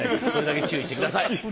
それだけ注意してください。